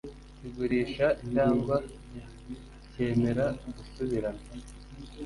Kigurisha cyangwa cyemera gusubirana